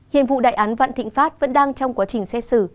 hiện vụ đại án vạn thịnh pháp vẫn đang trong quá trình xét xử